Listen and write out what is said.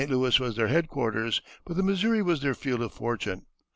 Louis was their headquarters, but the Missouri was their field of fortune.